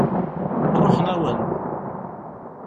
Ṛuḥen-awen.